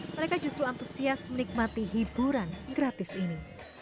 mereka justru antusias menikmati hiburan gratis ini